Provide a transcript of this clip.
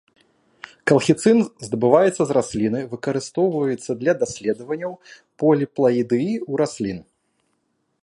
Калхіцын, здабываецца з расліны, выкарыстоўваецца для даследаванняў поліплаідыі ў раслін.